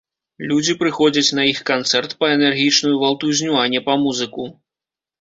Людзі прыходзяць на іх канцэрт па энергічную валтузню, а не па музыку.